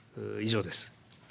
以上です。